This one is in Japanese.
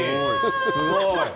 すごい。